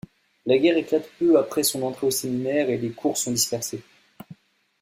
La guerre éclate peu après son entrée au séminaire et les cours sont dispersés.